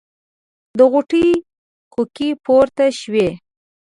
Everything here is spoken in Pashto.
د غوټۍ کوکې پورته شوې.